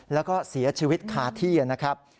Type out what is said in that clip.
แล้วก็เสียชีวิตคาที่นะครับ